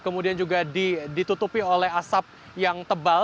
kemudian juga ditutupi oleh asap yang tebal